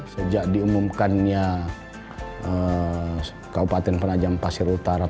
sejak diumumkannya kabupaten penajam pasir utara